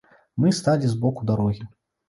Мы сталі з боку дарогі.